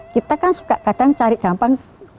kita kan suka kadang cari gampang